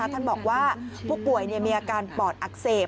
ท่านบอกว่าผู้ป่วยมีอาการปอดอักเสบ